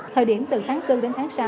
thời điểm từ tháng bốn đến tháng sáu